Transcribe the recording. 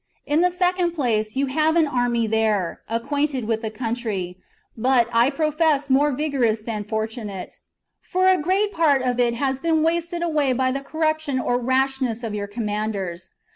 In the second place, you have an army there, acquainted with the country, but, I profess, more vigorous than fortunate ; for a great part of it has been wasted away by the corruption or rashness of your commanders.